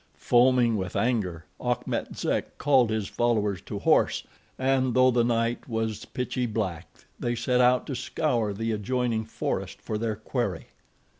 Foaming with anger, Achmet Zek called his followers to horse, and though the night was pitchy black they set out to scour the adjoining forest for their quarry.